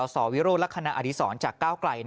สวิโรธลักษณะอดีศรจากก้าวไกล